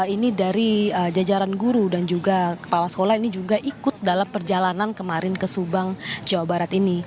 ini dari jajaran guru dan juga kepala sekolah ini juga ikut dalam perjalanan kemarin ke subang jawa barat ini